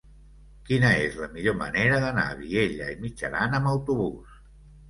Quina és la millor manera d'anar a Vielha e Mijaran amb autobús?